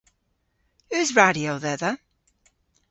Eus radyo dhedha?